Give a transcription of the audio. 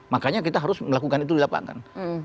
makanya kita harus melakukan itu di lapangan